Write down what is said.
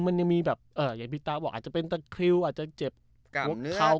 มันยังมีแบบเอออย่างพี่ตาบอกอาจจะเป็นตั้งคลิวอาจจะเจ็บเกล้า